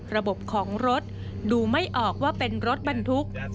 ระบบของรถดูไม่ออกว่าเป็นรถบรรทุก